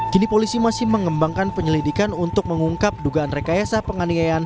kini polisi masih mengembangkan penyelidikan untuk mengungkap dugaan rekayasa penganiayaan